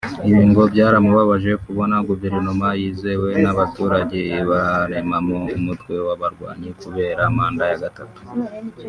Ibi ngo byaramubabaje kubona guverinoma yizewe n’abaturage ibaremamo umutwe w’abarwanyi kubera manda ya gatatu